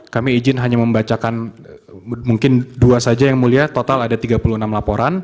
kami izin hanya membacakan mungkin dua saja yang mulia total ada tiga puluh enam laporan